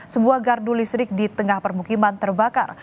sebuah gardu listrik di tengah permukiman terbakar